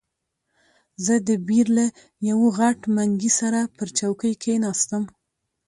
زه د بیر له یوه غټ منګي سره پر چوکۍ کښېناستم.